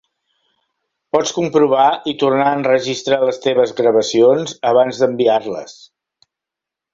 Pots comprovar i tornar a enregistrar les teves gravacions abans d'enviar-les.